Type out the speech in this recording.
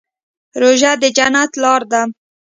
روژه د جنت لاره ده.